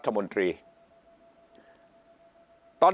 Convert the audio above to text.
ฝ่ายชั้น